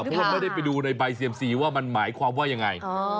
เพราะว่าไม่ได้ไปดูในใบเซียมซีว่ามันหมายความว่ายังไง